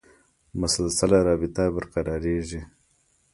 مسلسله رابطه برقرارېږي.